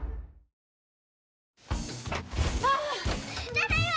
ただいま！